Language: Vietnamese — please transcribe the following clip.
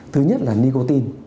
thứ nhất là nicotine